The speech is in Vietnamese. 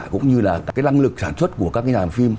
cũng như là cái năng lực sản xuất của các cái nhà làm phim